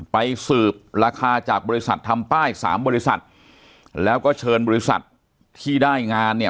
ไปสืบราคาจากบริษัททำป้ายสามบริษัทแล้วก็เชิญบริษัทที่ได้งานเนี่ย